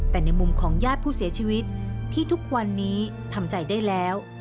แต่ในมุมของญาติผู้เสียชีวิตที่ทุกวันนี้ทำใจได้แล้ว